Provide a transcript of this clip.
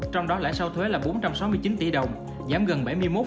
trong đó lãi sau thuế là bốn trăm sáu mươi chín tỷ đồng giảm gần bảy mươi một